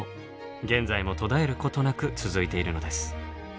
現在も途絶えることなく続いているのです。